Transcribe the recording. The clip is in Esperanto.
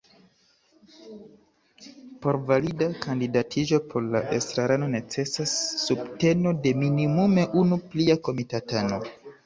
Por valida kandidatiĝo por la estraro necesas subteno de minimume unu plia komitatano.